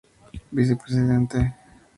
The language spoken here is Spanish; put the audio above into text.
Vicepresidente: Cr.